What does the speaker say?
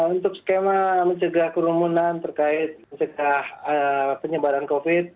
untuk skema mencegah kerumunan terkait mencegah penyebaran covid